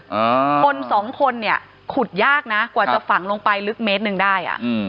คนสองคนเนี่ยขุดยากนะกว่าจะฝังลงไปลึกเมตรหนึ่งได้อ่ะอืม